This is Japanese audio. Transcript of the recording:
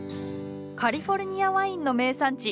カリフォルニアワインの名産地